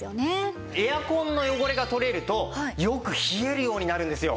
エアコンの汚れが取れるとよく冷えるようになるんですよ。